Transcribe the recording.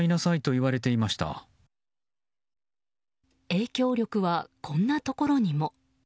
影響力はこんなところにも。